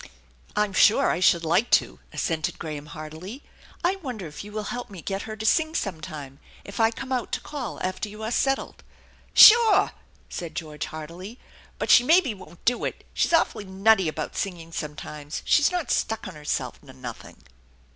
"I'm sure I should like to," assented Graham heartily. u I wonder if you will help me get her to sing sometime if I come out to call after you are settled." " Sure !" said George heartily, " but she mebbe won't do THE ENCHANTED BARN 88 it. She's awful nutty about singing sometimes. She's not etuck on herself nor nothing."